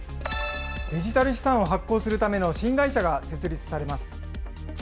デジタル資産を発行するための新会社が設立されます。